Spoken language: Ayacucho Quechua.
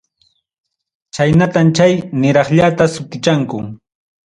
Chaynatam chay niraqllata sutichanku.